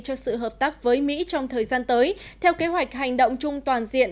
cho sự hợp tác với mỹ trong thời gian tới theo kế hoạch hành động chung toàn diện